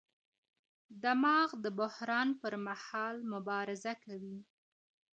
دماغ د بحران پر مهال مبارزه کوي.